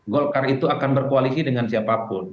golkar itu akan berkoalisi dengan siapapun